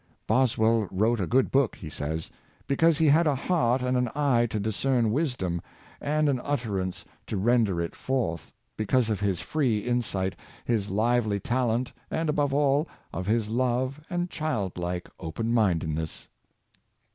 " Boswell wrote a good book," he says, " because he had a heart and an eye to discern wisdom, and an ut terance to render it forth, because of his free insight, his lively talent, and, above all, of his love and child like open mindedness.